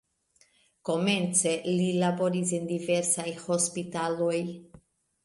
Komence li laboris en diversaj hospitaloj.